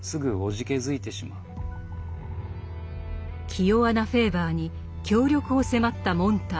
気弱なフェーバーに協力を迫ったモンターグ。